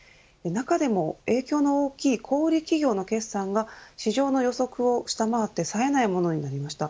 中でも影響の大きい小売り企業の決算が市場の予測を下回って冴えないものになりました。